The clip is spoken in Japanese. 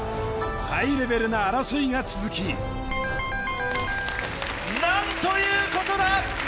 ハイレベルな争いが続き何ということだ！